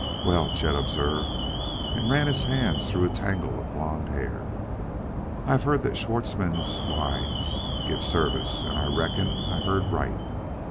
"Well," Chet observed, and ran his hand through a tangle of blond hair, "I have heard that the Schwartzmann lines give service, and I reckon I heard right.